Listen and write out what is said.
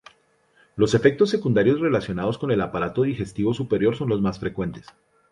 Los efectos secundarios relacionados con el aparato digestivo superior son los más frecuentes.